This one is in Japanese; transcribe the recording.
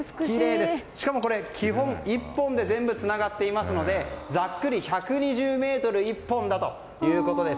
しかもこれ、基本１本で全部つながっていますのでざっくり１２０ｍで一本だということです。